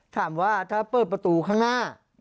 ถ้าเปิดประตูข้างหน้า